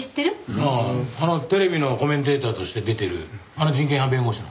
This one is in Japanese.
あああのテレビのコメンテーターとして出てるあの人権派弁護士の？